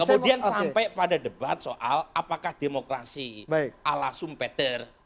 kemudian sampai pada debat soal apakah demokrasi ala sumpeter